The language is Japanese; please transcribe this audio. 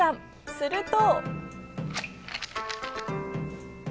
すると。